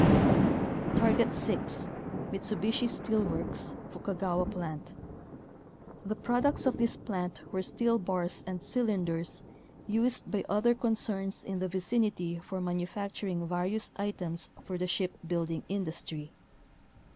b. Target 6, Mitsubishi Steel Works, Fukaga wa Plant. The products of this plant were steel bars and cylinders used by other concerns in the vicinity for manufacturing various items for the ship building industry.